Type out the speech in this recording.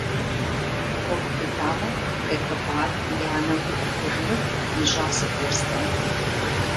Гъуэгу тетамэ, къехъулӏар и анэм хуиӏуэтэжыныр и щӏасэт Ерстэм.